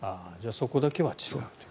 そこだけは違うと。